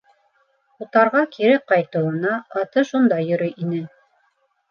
Утарға кире ҡайтыуына, аты шунда йөрөй ине.